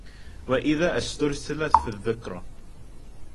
وإذا استرسلت في الذكرى!